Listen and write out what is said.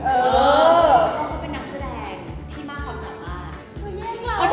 เขาเป็นนักแสดงที่มั่งความสามารถ